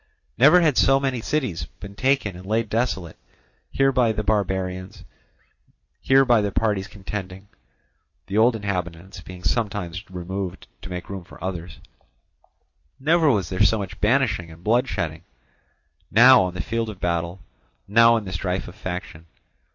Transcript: Never had so many cities been taken and laid desolate, here by the barbarians, here by the parties contending (the old inhabitants being sometimes removed to make room for others); never was there so much banishing and blood shedding, now on the field of battle, now in the strife of faction.